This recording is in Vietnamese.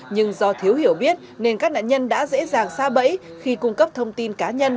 nhưng do thiếu hiểu biết nên các nạn nhân đã dễ dàng xa bẫy khi cung cấp thông tin cá nhân